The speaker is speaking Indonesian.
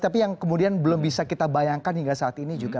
tapi yang kemudian belum bisa kita bayangkan hingga saat ini juga